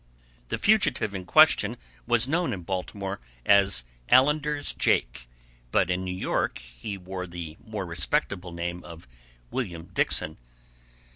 The fugitive in question was known in Baltimore as "Allender's Jake," but in New York he wore the more respectable name of "William Dixon."